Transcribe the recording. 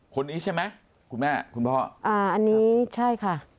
คนนี้ใช่ไหมคุณแม่คุณพ่ออ่าอันนี้ใช่ค่ะ